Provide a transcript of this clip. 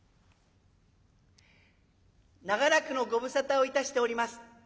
「長らくのご無沙汰をいたしております。